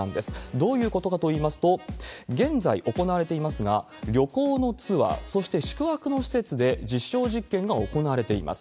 どういうことかといいますと、現在行われていますが、旅行のツアー、そして宿泊の施設で実証実験が行われています。